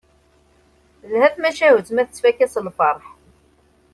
Telha tmacahut ma tettfakka s lferḥ.